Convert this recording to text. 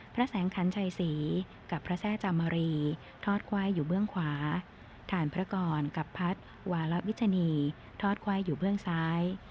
พระแสงคันไชศีกับพระแท่จำมรีทอดคว่ายอยู่เบื้องขวาฐานพระกรกับพัฒน์วาลวิชนีทอดคว่ายอยู่เบื้องซ้าย